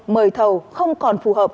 mời thầu không còn phù hợp